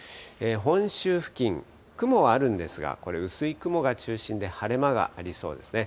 本州付近、雲はあるんですが、これ、薄い雲が中心で晴れ間がありそうですね。